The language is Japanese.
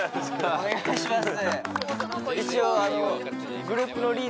お願いします